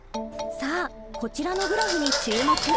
さあこちらのグラフに注目。